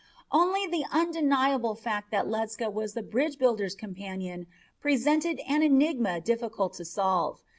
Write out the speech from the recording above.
Only the undeniable fact that Ledscha was the bridge builder's companion presented an enigma difficult to solve.